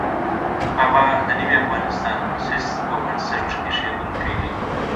بابا د نوي افغانستان مؤسس او بنسټ اېښودونکی دی.